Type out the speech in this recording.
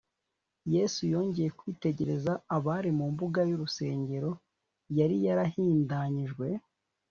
yesu yongeye kwitegereza abari mu mbuga y’urusengero yari yarahindanyijwe